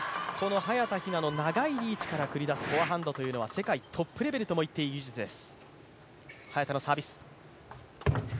早田ひなの長いリーチから繰り出すフォアハンドというのは世界トップレベルともいっていい技術です。